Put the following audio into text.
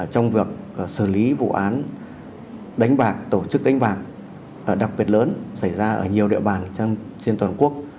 trong việc xử lý vụ án đánh bạc tổ chức đánh bạc đặc biệt lớn xảy ra ở nhiều địa bàn trên toàn quốc